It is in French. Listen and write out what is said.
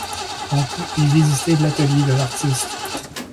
On peut y visiter l’atelier de l’artiste.